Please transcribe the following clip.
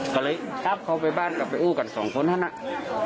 ก็เลยทับเขาไปบ้านกลับไปอู้กันสองคนเท่านั้น